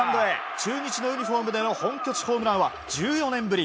中日のユニホームでの本拠地ホームランは１４年ぶり。